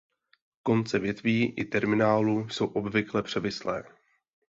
Konce větví i terminálu jsou obvykle převislé.